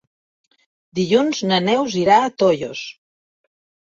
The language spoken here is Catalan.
Dilluns na Neus irà a Tollos.